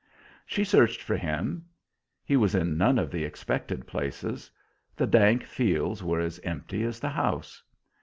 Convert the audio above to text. She searched for him. He was in none of the expected places; the dank fields were as empty as the house.